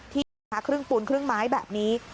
ที่ซื้อค่ะครึ่งปุนครึ่งไม้แบบนี้